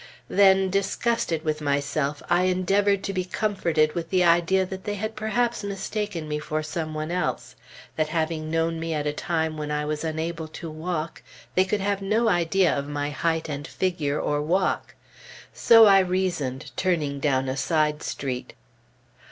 Then, disgusted with myself, I endeavored to be comforted with the idea that they had perhaps mistaken me for some one else; that having known me at a time when I was unable to walk, they could have no idea of my height and figure, or walk. So I reasoned, turning down a side street.